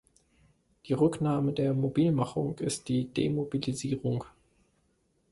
Die Rücknahme der Mobilmachung ist die Demobilisierung.